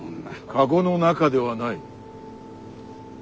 駕籠の中ではない。